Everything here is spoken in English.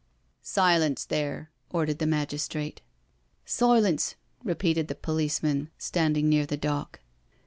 " Silence there,*' ordered the magistrate. " Silence," repeated the policeman standing near the dock.